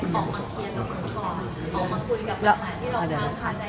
ก็คือ๒ล้าน๒ค่ะ